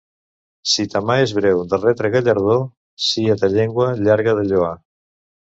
Si ta mà és breu de retre gallardó, sia ta llengua llarga de lloar.